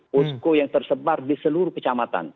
posko yang tersebar di seluruh kecamatan